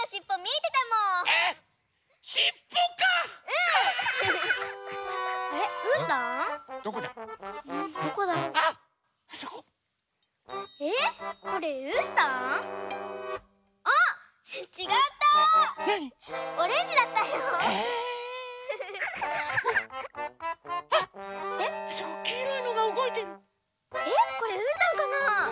えっこれうーたんかな？